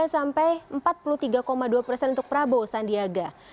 tiga puluh enam sembilan sampai empat puluh tiga dua persen untuk prabowo sandiaga